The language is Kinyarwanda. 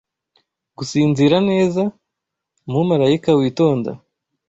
Gusinzira neza Umumarayika witonda